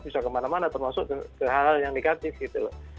bisa kemana mana termasuk ke hal hal yang negatif gitu loh